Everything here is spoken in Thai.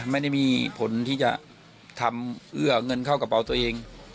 ไม่ได้มีผลที่จะทำเอื้อเงินเข้ากระเป๋าตัวเอง